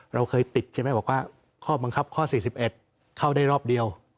เราเคยติดใช่ไหมบอกว่าข้อบังคับข้อ๔๑เข้าได้รอบเดียว